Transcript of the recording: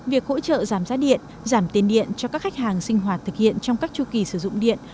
việc hỗ trợ giảm giá điện giảm tiền điện cho các khách hàng sinh hoạt thực hiện trong các chu kỳ sử dụng điện